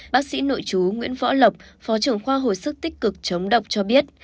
bác sĩ nội chú nguyễn võ lộc phó trưởng khoa hồi sức tích cực chống độc cho biết